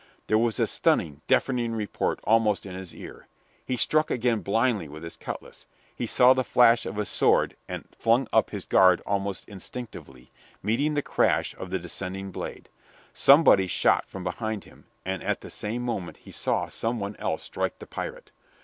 There was a stunning, deafening report almost in his ear. He struck again blindly with his cutlass. He saw the flash of a sword and flung up his guard almost instinctively, meeting the crash of the descending blade. Somebody shot from behind him, and at the same moment he saw some one else strike the pirate.